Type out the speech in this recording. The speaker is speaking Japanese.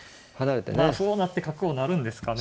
歩を成って角を成るんですかね